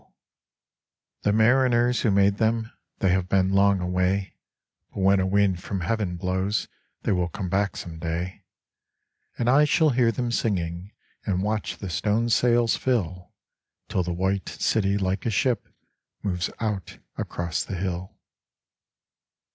75 Guadalupe The mariners who made them, They have been long away ; But when a wind from heaven blows They will come back some day, And I shall hear them singing, And watch the stone sails fill, Till the white city like a ship Moves out across the hill.